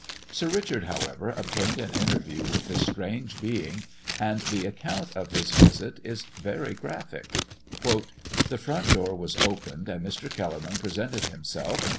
Sir Richard, however, obtained an interview with this strange being, and the account of his visit is very graphic: "The front door was opened, and Mr. Kellerman presented himself.